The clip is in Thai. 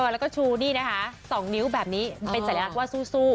แล้วก็ชูนี่นะคะ๒นิ้วแบบนี้เป็นสัญลักษณ์ว่าสู้